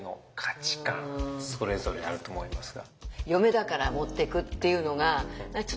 それぞれあると思いますが。